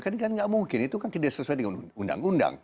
kan nggak mungkin itu kan tidak sesuai dengan undang undang